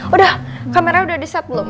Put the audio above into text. udah kameranya udah diset belum